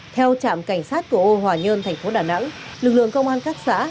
theo trạm cảnh sát của âu hòa nhơn thành phố đà nẵng lực lượng công an các xã